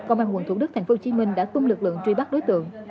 công an quận thủ đức tp hcm đã tung lực lượng truy bắt đối tượng